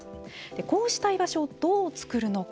こうした居場所をどう作るのか。